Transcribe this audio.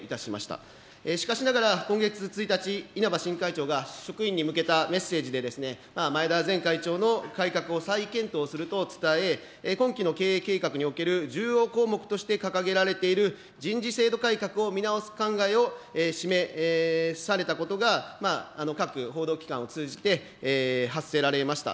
しかしながら、今月１日、稲葉新会長が、職員に向けたメッセージで、前田前会長の改革を再検討すると伝え、今期の経営計画における重要項目として掲げられている人事制度改革を見直す考えを示されたことが、各報道機関を通じて、発せられました。